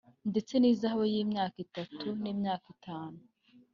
ndetse n’ihazabu y’imyaka itatu n’imyaka itanu